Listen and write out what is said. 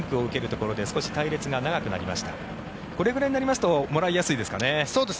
これぐらいになりますともらいやすいですかね。